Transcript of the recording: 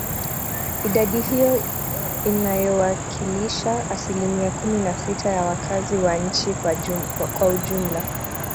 Idadi hiyo inayowakilisha asilimia kumi na sita ya wakazi wa nchi kwa ujumla